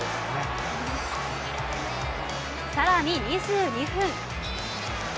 更に、２２分。